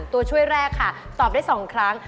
ตัวช่วยแรกค่ะตอบได้๒ครั้ง